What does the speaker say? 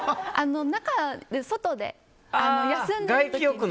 外で休んで。